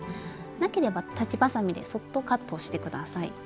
なければ裁ちばさみでそっとカットして下さい。